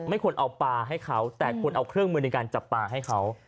ควรเอาปลาให้เขาแต่คุณเอาเครื่องมือในการจับปลาให้เขา